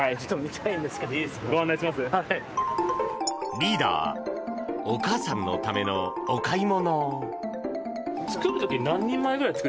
リーダーお母さんのためのお買い物。